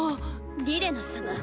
リレナ様